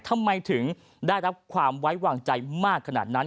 ทำไมถึงได้รับความไว้วางใจมากขนาดนั้น